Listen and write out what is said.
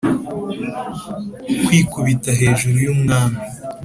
kwikubita hejuru yumwami